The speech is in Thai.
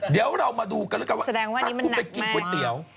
เดี๋ยวเรามาดูกันแล้วกันว่าแสดงว่าถ้าคุณไปกินก๋วยเตี๋ยว